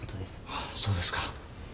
はあそうですか。